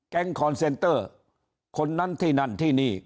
คอนเซนเตอร์คนนั้นที่นั่นที่นี่